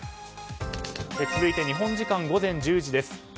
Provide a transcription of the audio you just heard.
続いて日本時間午前１０時です。